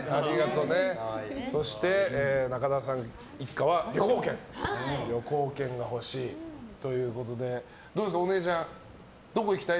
そして、仲田さんご一家は旅行券が欲しいということでどうですか、お姉ちゃんどこ行きたい？